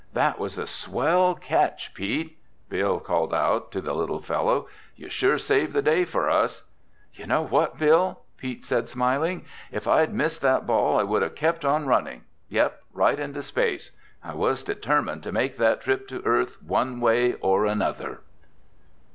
"That was a swell catch, Pete!" Bill called out to the little fellow. "You sure saved the day for us!" "You know what, Bill?" Pete said, grinning. "If I'd missed that ball I would have kept on running—yep, right into space! I was determined to make that trip to Earth one way or another!"